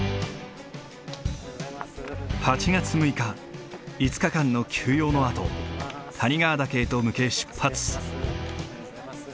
８月６日５日間の休養のあと谷川岳へと向け出発。